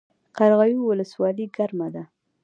قرغیو ولسوالۍ ګرمه ده؟